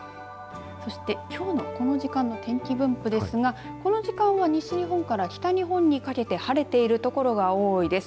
きょうのこの時間の天気分布ですが、この時間は西日本から北日本にかけて晴れている所が多いです。